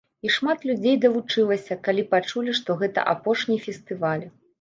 І шмат людзей далучылася, калі пачулі, што гэта апошні фестываль.